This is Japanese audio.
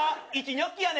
ニョッキやねんて。